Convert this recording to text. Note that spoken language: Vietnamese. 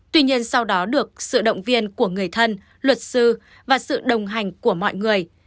tuy nhiên sau đó được sự động viên của người thân luật sư và sự đồng hành của mọi người